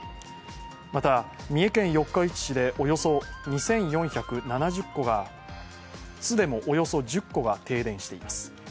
また、三重県四日市市でおよそ２４７０戸が津でもおよそ１０戸が停電しています。